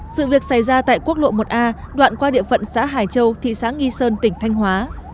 sự việc xảy ra tại quốc lộ một a đoạn qua địa phận xã hải châu thị xã nghi sơn tỉnh thanh hóa